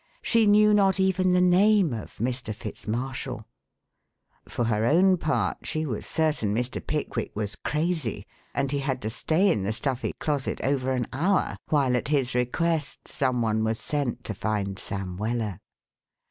She knew not even the name of Mr. Fitz Marshall. For her own part she was certain Mr. Pickwick was crazy, and he had to stay in the stuffy closet over an hour while at his request some one was sent to find Sam Weller.